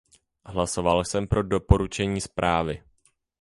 Hlasoval jsem pro doporučení zprávy.